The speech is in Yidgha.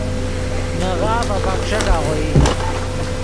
نے غاف اپک ݯیک آغوئی